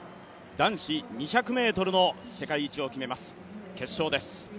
男子２００ｍの世界一を決めます決勝です。